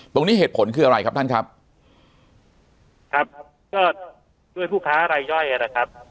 เหตุผลคืออะไรครับท่านครับครับก็ด้วยผู้ค้ารายย่อยนะครับ